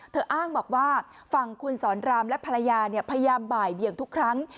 อ้างบอกว่าฝั่งคุณสอนรามและภรรยาพยายามบ่ายเบียงทุกครั้ง